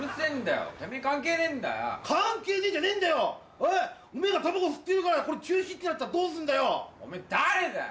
おめぇがタバコ吸ってるから中止ってなったらどうすんだよ。